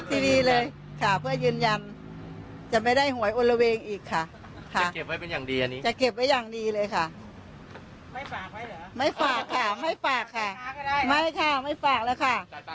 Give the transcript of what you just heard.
ปลวกเป็นเรื่องจ่ายตังค์แล้วล่ะค่ะ